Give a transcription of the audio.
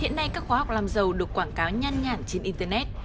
hiện nay các khóa học làm giàu được quảng cáo nhan nhản trên internet